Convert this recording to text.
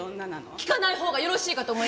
聞かないほうがよろしいかと思いますけど。